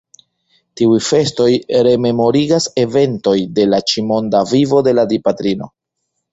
Tiuj festoj rememorigas eventojn de la ĉi-monda vivo de la Dipatrino.